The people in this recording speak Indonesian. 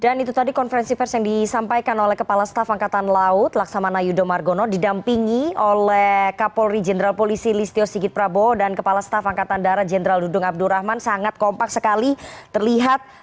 dan itu tadi konferensi versi yang disampaikan oleh kepala staf angkatan laut laksamana yudho margono didampingi oleh kapolri jenderal polisi listio sigit prabowo dan kepala staf angkatan daerah jenderal dudung abdurrahman sangat kompak sekali terlihat